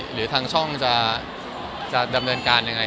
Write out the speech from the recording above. หรือทางช่องจะดำเนินการยังไง